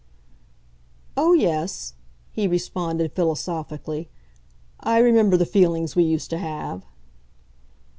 "Oh yes," he responded philosophically "I remember the feelings we used to have."